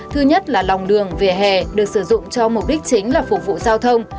thứ nhất là lòng đường vỉa hè được sử dụng cho mục đích chính là phục vụ giao thông